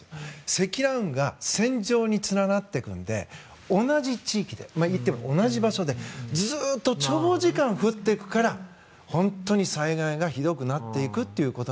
積乱雲が線状に連なっていくので同じ地域で、同じ場所でずっと長時間降っていくから災害がひどくなっていくと。